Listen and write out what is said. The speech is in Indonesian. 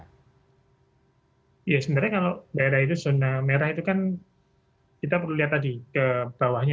ya sebenarnya kalau daerah itu zona merah itu kan kita perlu lihat tadi ke bawahnya